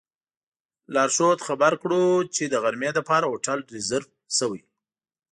لارښود خبر کړو چې د غرمې لپاره هوټل ریزرف شوی.